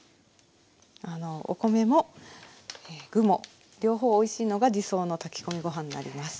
お米も具も両方おいしいのが理想の炊き込みご飯になります。